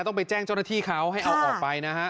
ต้องไปแจ้งเจ้าหน้าที่เขาให้เอาออกไปนะฮะ